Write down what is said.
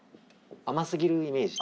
甘すぎるイメージ。